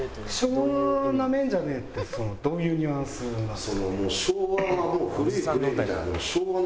「昭和ナメんじゃねえ」ってどういうニュアンスなんですか？